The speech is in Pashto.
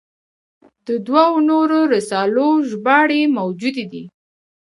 د دوو نورو رسالو ژباړې موجودې دي.